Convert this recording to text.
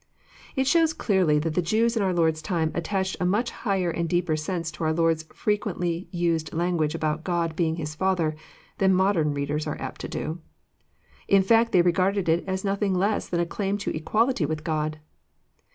It shows clearly that the Jews in our Lord's time attached a much higher and deeper sense to our Lord's frequently used language about God being His Father than modern readers are apt to do. In fact they regarded It as nothing less than a claim to equality with God.